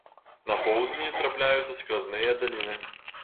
На поўдні трапляюцца скразныя даліны.